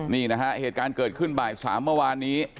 นี่นะฮะเหตุการณ์เกิดขึ้นบ่าย๓เมื่อวานนี้